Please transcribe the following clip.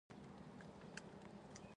او یو زما پر شونډو